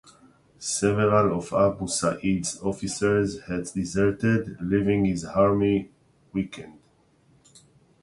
Several of Abu Sa'id's officers had deserted, leaving his army weakened.